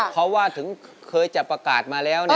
เพราะว่าถึงเคยจะประกาศมาแล้ว